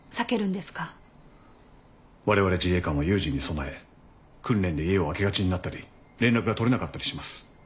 われわれ自衛官は有事に備え訓練で家を空けがちになったり連絡が取れなかったりします。